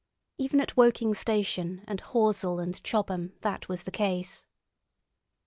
Even at Woking station and Horsell and Chobham that was the case.